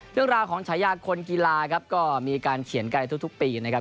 เรื่องราวของฉายาคนกีฬาครับก็มีการเขียนกันในทุกปีนะครับ